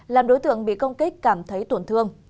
làm đối tượng bị công kích cảm thấy tổn thương